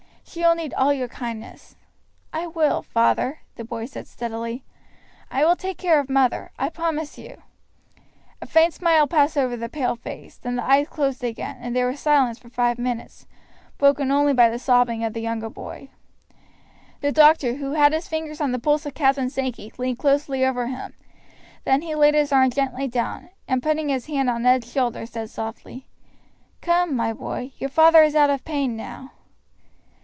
She will need all your kindness." "I will, father," the boy said steadily. "I will take care of mother, I promise you." A faint smile passed over the pale face; then the eyes closed again, and there was silence for five minutes, broken only by the sobbing of the younger boy. The doctor, who had his fingers on the pulse of Captain Sankey, leaned closely over him; then he laid his arm gently down, and putting his hand on Ned's shoulder said softly: "Come, my boy, your father is out of pain now."